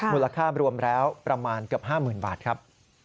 มูลค่ารวมแล้วประมาณเกือบ๕๐๐๐บาทครับ